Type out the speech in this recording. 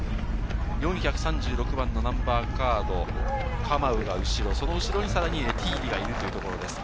４３６番のナンバーカード、カマウが後ろ、その後ろにさらにエティーリがいるというところです。